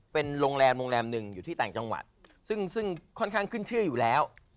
เป็นโรงแรมโรงแรมหนึ่งอยู่ที่ต่างจังหวัดซึ่งค่อนข้างขึ้นชื่ออยู่แล้ว